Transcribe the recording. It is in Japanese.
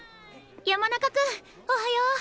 山中君おはよう！